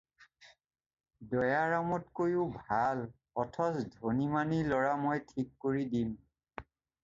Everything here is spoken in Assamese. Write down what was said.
দয়াৰামতকৈও ভাল অথচ ধনী মানী ল'ৰা মই ঠিক কৰিম।